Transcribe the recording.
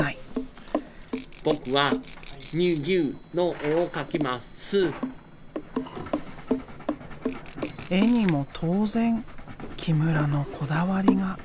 絵にも当然木村のこだわりが。